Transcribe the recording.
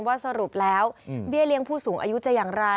สรุปแล้วเบี้ยเลี้ยงผู้สูงอายุจะอย่างไร